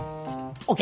ＯＫ。